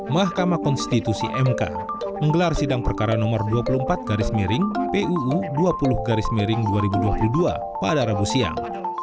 mahkamah konstitusi mk menggelar sidang perkara nomor dua puluh empat garis miring puu dua puluh garis miring dua ribu dua puluh dua pada rabu siang